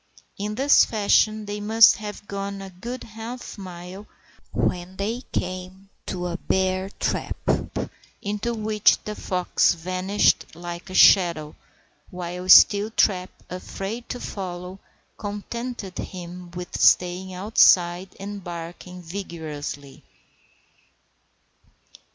In this fashion they must have gone a good half mile when they came to a bear trap, into which the fox vanished like a shadow, while Steeltrap, afraid to follow, contented himself with staying outside and barking vigorously.